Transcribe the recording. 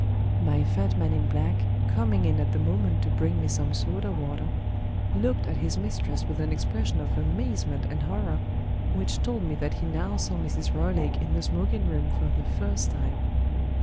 My fat man in black, coming in at the moment to bring me some soda water, looked at his mistress with an expression of amazement and horror, which told me that he now saw Mrs. Roylake in the smoking room for the first time.